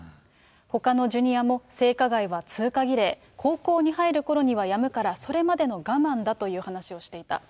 ほかのジュニアも性加害は通過儀礼、高校に入るころにはやむから、それまでの我慢だという話をしていた。